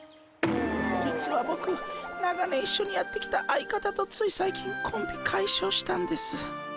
実はボク長年一緒にやってきた相方とつい最近コンビ解消したんです。